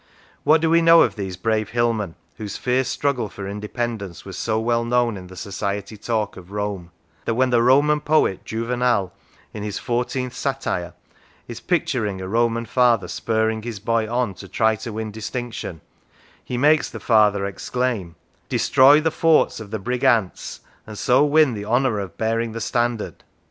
What do we know of these brave hillmen, whose fierce struggle for independence was so well known in the Society talk of Rome, that when the Roman poet Juvenal, in his fourteenth satire, is picturing a Roman father spurring his boy on to try to win distinction, he makes the father exclaim: " Destroy the forts of the Brigantes, and so win the honour of bearing the Standard